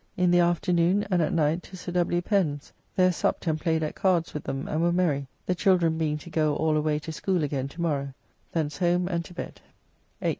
In the afternoon and at night to Sir W. Pen's, there supped and played at cards with them and were merry, the children being to go all away to school again to morrow. Thence home and to bed.